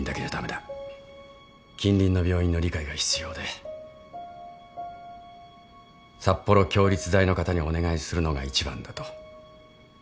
近隣の病院の理解が必要で札幌共立大の方にお願いするのが一番だと。